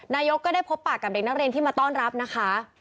นายกก็ได้พบปากกับเด็กนักเรียนที่มาต้อนรับนะคะ